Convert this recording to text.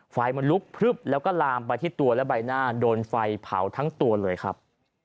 ไฟมันลุกพลึบแล้วก็ลามไปที่ตัวและใบหน้าโดนไฟเผาทั้งตัวเลยครับ